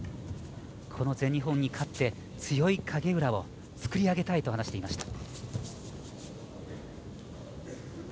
この全日本に勝って強い影浦を作り上げたいと話していました。